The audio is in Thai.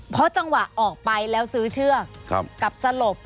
เพราะจังหวะออกไปแล้วซื้อเชือกกับสลบ